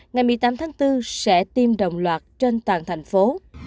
ngày một mươi tám tháng bốn sẽ tiêm đồng loạt trên toàn thành phố